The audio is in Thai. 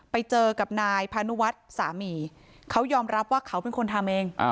ไปเจอกับนายพานุวัฒน์สามีเขายอมรับว่าเขาเป็นคนทำเอง